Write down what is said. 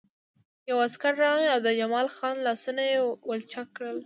یو عسکر راغی او د جمال خان لاسونه یې ولچک کړل